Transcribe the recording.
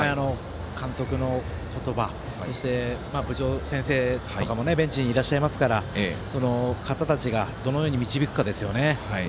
監督の言葉、部長、先生とかもベンチにいらっしゃいますからその方たちがどのように導くかですよね。